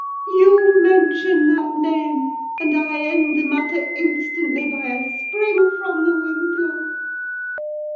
You mention that name and I end the matter instantly by a spring from the window!